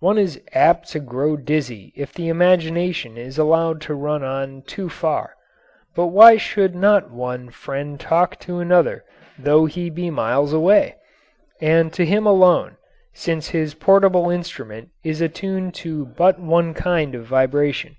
One is apt to grow dizzy if the imagination is allowed to run on too far but why should not one friend talk to another though he be miles away, and to him alone, since his portable instrument is attuned to but one kind of vibration.